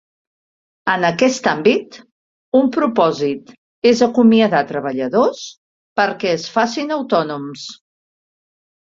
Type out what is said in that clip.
En aquest àmbit, un propòsit és acomiadar treballadors perquè es facin autònoms.